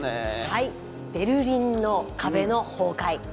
はいベルリンの壁の崩壊。